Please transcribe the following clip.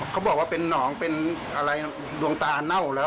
เขาบอกว่าเป็นหนองเป็นอะไรดวงตาเน่าแล้ว